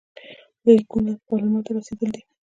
لیکونه پارلمان ته رسېدلي دي.